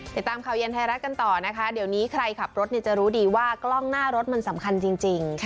ติดตามข่าวเย็นไทยรัฐกันต่อนะคะเดี๋ยวนี้ใครขับรถจะรู้ดีว่ากล้องหน้ารถมันสำคัญจริง